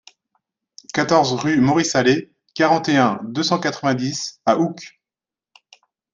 quatorze rue Maurice Hallé, quarante et un, deux cent quatre-vingt-dix à Oucques